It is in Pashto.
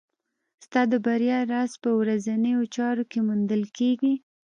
ستا د بریا راز په ورځنیو چارو کې موندل کېږي.